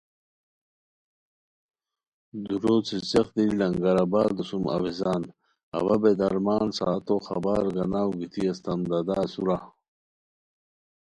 دُورو څیڅیق دی لنگر آبادو سُم اویزان اوا بے درمان ساعتو خبر گاناؤ گیتی استام دادا اسورا؟